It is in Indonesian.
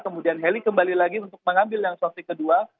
kemudian heli kembali lagi untuk mengambil yang soptic kedua